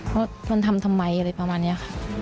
เพราะมันทำทำไมอะไรประมาณเนี้ย